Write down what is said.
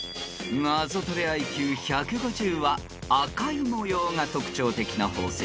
［ナゾトレＩＱ１５０は赤い模様が特徴的な宝石です］